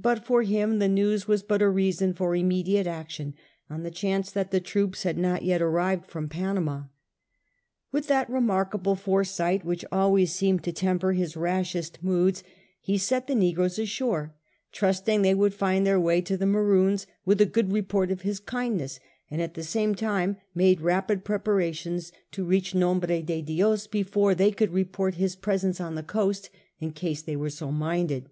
But for him the news was but a reason for immediate action, on the chance that the troops had not yet arrived from Panama. With that remarkable foresight which seemed always to temper his rashest moods, he set the negroes ashore, trusting they would find their way to the Maroons with a good report of his kindness, and, at the same time, made rapid preparations to reacli 24 SIR FRANCIS DRAKE chap. Nombre de Dios before they could report his presence on the coast, in case they were so minded.